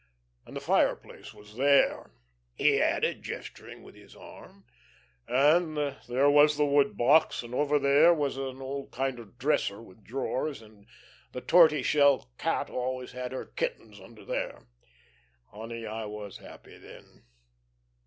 And the fireplace was there," he added, gesturing with his arm, "and there was the wood box, and over here was an old kind of dresser with drawers, and the torty shell cat always had her kittens under there. Honey, I was happy then.